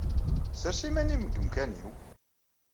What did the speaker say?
Ssers iman-nnem deg umkan-inu.